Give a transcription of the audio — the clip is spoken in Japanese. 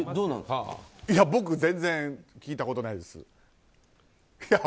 僕、全然聞いたことないです。